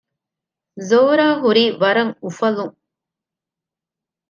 ޒޯރާ ހުރީ ވަރަށް އުފަލުން